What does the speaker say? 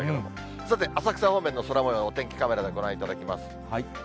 さて、浅草方面の空もようをお天気カメラでご覧いただきます。